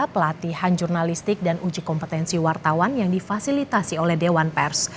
pelatihan jurnalistik dan uji kompetensi wartawan yang difasilitasi oleh dewan pers